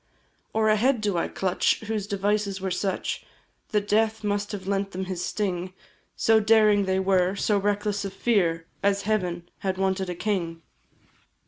Or a head do I clutch, whose devices were such, That death must have lent them his sting So daring they were, so reckless of fear, As heaven had wanted a king?